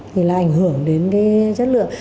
thì là ảnh hưởng đến cái chất lượng